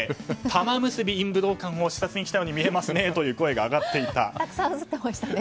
たまむすびイン武道館を視察に来たように見えますねという声が上がっていた。